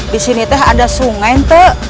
disini tuh ada sungain tuh